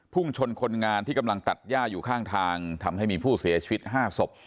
พุ่งชนคนงานที่กำลังตัดย่าอยู่ข้างทางทำให้มีผู้เสียชีวิต๕ศพ